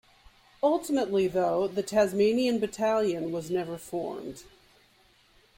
Ultimately though the Tasmanian battalion was never formed.